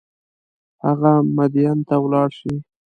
هغه مدین ته ولاړ شي.